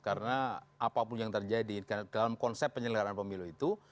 karena apapun yang terjadi dalam konsep penyelenggaraan pemilu itu